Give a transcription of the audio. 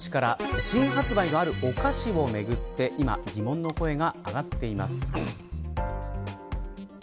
新発売の、あるお菓子をめぐって今、疑問の声が上がっています。